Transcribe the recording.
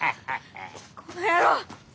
この野郎！